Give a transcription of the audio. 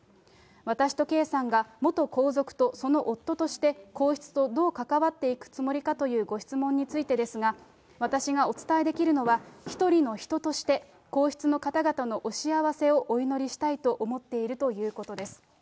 私と圭さんが元皇族とその夫として、皇室とどう関わっていくつもりかというご質問についてですが、私がお伝えできるのは、一人の人として、皇室の方々のお幸せをお祈りしたいと思っているということです。